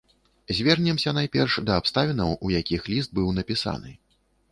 Звернемся найперш да абставінаў, у якіх ліст быў напісаны.